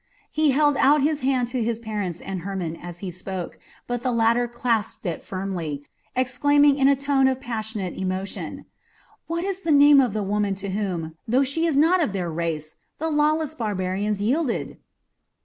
He held out his hand to his parents and Hermon as he spoke, but the latter clasped it firmly, exclaiming in a tone of passionate emotion, "What is the name of the woman to whom, though she is not of their race, the lawless barbarians yielded?"